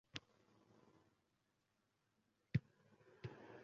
Boshqaruv jilovi endi qo`lidan chiqib ketdi, ortiq bu erda bekalik qila olmaydi